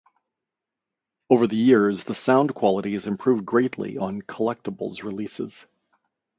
Over the years, the sound quality has improved greatly on Collectables' releases.